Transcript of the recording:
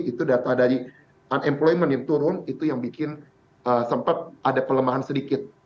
itu data dari unemployment yang turun itu yang bikin sempat ada pelemahan sedikit